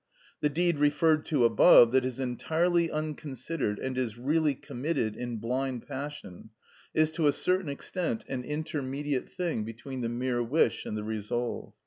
The deed referred to above, that is entirely unconsidered and is really committed in blind passion, is to a certain extent an intermediate thing between the mere wish and the resolve.